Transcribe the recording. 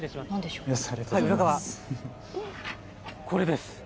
これです。